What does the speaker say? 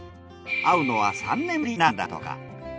会うのは３年振りなんだとか。